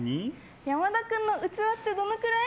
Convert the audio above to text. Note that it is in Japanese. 山田君の器ってどのくらい？